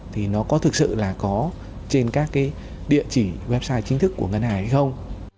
thì nó có thực sự là có trên các cái địa chỉ website chính thức của ngân hàng hay không